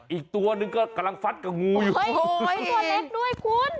อีกตัวหนึ่งก็กำลังฟัดกับงูอยู่โอ้โหตัวเล็กด้วยคุณ